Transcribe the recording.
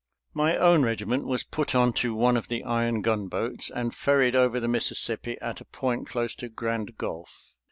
My own regiment was put on to one of the iron gunboats and ferried over the Mississippi at a point close to Grand Gulf.